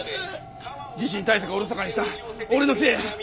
地震対策をおろそかにした俺のせいや。